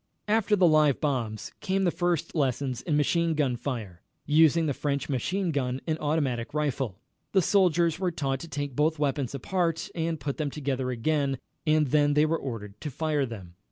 After the live bombs came the first lessons in machine gun fire, using the French machine gun and automatic rifle. The soldiers were taught to take both weapons apart and put them together again, and then they were ordered to fire them.